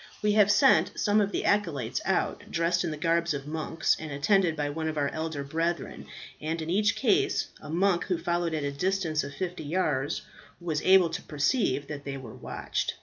We have sent some of the acolytes out, dressed in the garbs of monks, and attended by one of our elder brethren; and in each case, a monk who followed at a distance of fifty yards was able to perceive that they were watched.